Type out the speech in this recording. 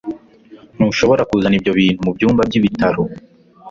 ntushobora kuzana ibyo bintu mubyumba byibitaro